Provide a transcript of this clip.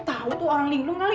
gak tahu tuh orang linglung kali